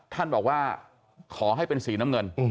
ท่านบอกว่าขอให้เป็นสีน้ำเงิน